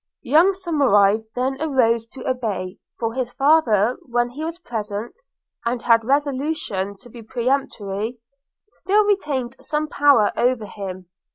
Young Somerive then arose to obey; for his father, when he was present, and had resolution to be peremptory, still retained some power over him.